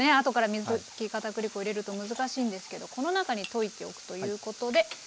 後から水溶きかたくり粉を入れると難しいんですけどこの中に溶いておくということで。